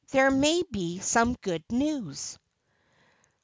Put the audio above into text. There may be some good news.'